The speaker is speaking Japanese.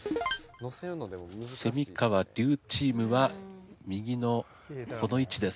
川・笠チームは右のこの位置です。